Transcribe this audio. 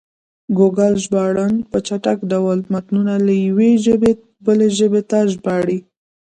ګوګل ژباړن په چټک ډول متنونه له یوې ژبې بلې ته ژباړي.